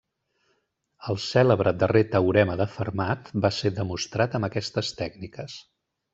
El cèlebre darrer teorema de Fermat va ser demostrat amb aquestes tècniques.